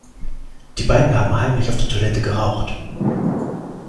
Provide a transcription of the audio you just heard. Die beiden haben heimlich auf der Toilette geraucht.